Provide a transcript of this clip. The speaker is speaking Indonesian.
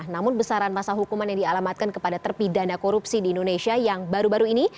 namun besaran masa hukuman yang dialamatkan kepada terpidana korupsi di indonesia yang baru baru ini